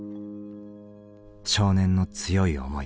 少年の強い思い。